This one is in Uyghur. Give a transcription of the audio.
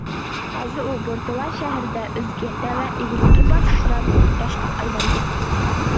ھازىر ئۇ بورتالا شەھىرىدە ئۆزىگە تەۋە ئىگىلىكى بار قىران ياشقا ئايلاندى.